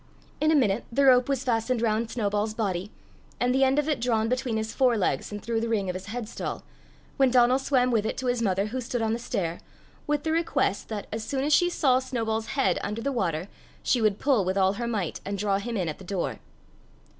In a minute the rope was fastened round Snowball's body, and the end of it drawn between his fore legs and through the ring of his head stall, when Donal swam with it to his mother who stood on the stair, with the request that, as soon as she saw Snowball's head under the water, she would pull with all her might, and draw him in at the door.